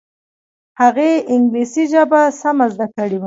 هغې انګلیسي ژبه سمه زده کړې وه